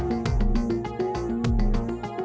nah gak ada